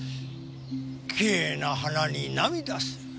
きれいな花に涙する。